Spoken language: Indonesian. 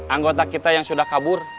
anggota kita yang sudah kabur